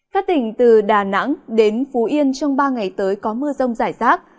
các tỉnh từ đà nẵng đến phú yên trong ba ngày tới có mưa rông rải rác